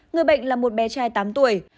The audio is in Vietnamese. người bệnh là một bé trai tám tuổi